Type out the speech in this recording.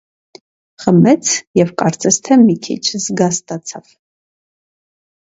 Խմեց և կարծես թե մի քիչ զգաստացավ: